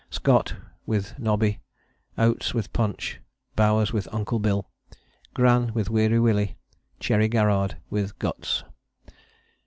Scott with 'Nobby.' Oates with 'Punch.' Bowers with 'Uncle Bill.' Gran with 'Weary Willie.' Cherry Garrard with 'Guts.'